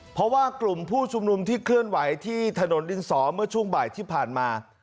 เพราะว่ากลุ่มผู้ชุมนุมที่เคลื่อนไหวที่ถนนดินสอเมื่อช่วงบ่ายที่ผ่านมา